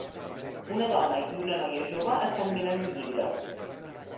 Una dona i una noia jove estan mirant un llibre.